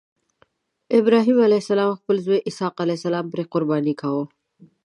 ابراهیم علیه السلام خپل زوی اسحق علیه السلام پرې قرباني کاوه.